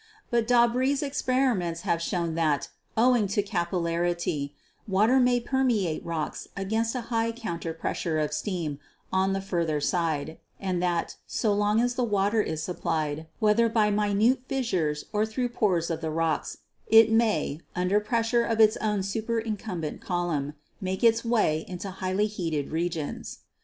But Daubree's experiments have shown that, owing to capillarity, water may permeate rocks against a high counter pressure of steam on the fur ther side, and that so long as the water is supplied, whether by minute fissures or through pores of the rocks, it may, under pressure of its own superincumbent column, make its way into highly heated regions.